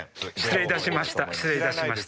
失礼いたしました。